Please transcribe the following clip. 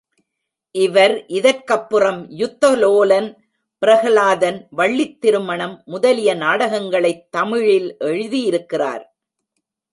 இவர் இதற்கப்புறம் யுத்த லோலன், பிரஹ்லாதன், வள்ளித் திருமணம் முதலிய நாடகங்களைத் தமிழில் எழுதியிருக்கிறார்.